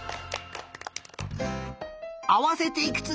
あわせていくつ？